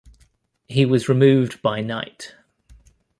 He was removed by night.